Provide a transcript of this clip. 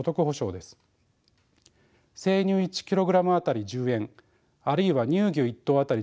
生乳１ｋｇあたり１０円あるいは乳牛１頭あたり